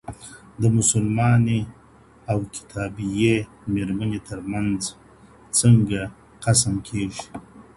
د مسلماني او کتابیې ميرمنې تر منځ څنګه قسم کیږي؟